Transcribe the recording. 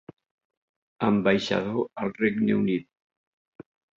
Ambaixador al Regne Unit.